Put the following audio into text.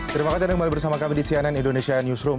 terima kasih anda kembali bersama kami di cnn indonesia newsroom